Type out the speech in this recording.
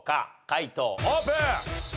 解答オープン！